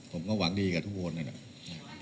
ผมก็หวังดีกับทุกพวกนั้นอ่ะ